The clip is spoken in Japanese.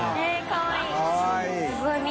かわいい。